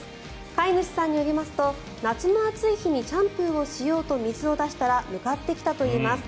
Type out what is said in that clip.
飼い主さんによりますと夏の暑い日にシャンプーをしようと水を出したら向かってきたといいます。